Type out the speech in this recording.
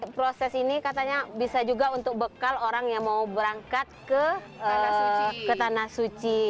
proses ini katanya bisa juga untuk bekal orang yang mau berangkat ke tanah suci